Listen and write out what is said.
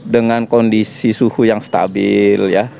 dengan kondisi suhu yang stabil